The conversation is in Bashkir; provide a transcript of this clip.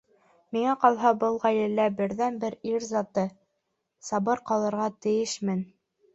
Миңә ҡалһа, был ғаиләлә берҙән-бер ир заты, сабыр ҡалырға тейешмен.